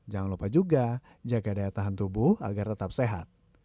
jangan lupa juga jaga daya tahan tubuh agar tetap sehat